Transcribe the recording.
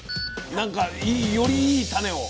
なんかよりいい種を。